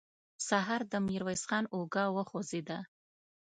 سهار د ميرويس خان اوږه وخوځېده.